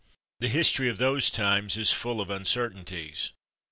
The history of those times is full of uncertainties.